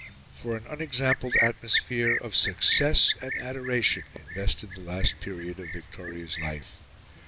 For an unexampled atmosphere of success and adoration invested the last period of Victoria's life.